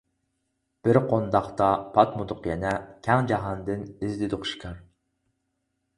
بىر قونداققا پاتمىدۇق يەنە، كەڭ جاھاندىن ئىزدىدۇق شىكار.